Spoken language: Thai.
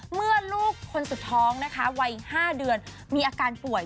เมื่อลูกคนสุดท้องนะคะวัย๕เดือนมีอาการป่วย